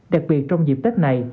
đặc biệt trong dịp tết này